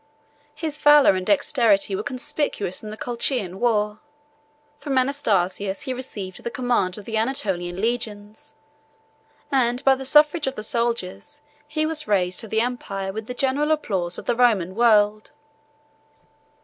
His valor and dexterity were conspicuous in the Colchian war: from Anastasius he received the command of the Anatolian legions, and by the suffrage of the soldiers he was raised to the empire with the general applause of the Roman world.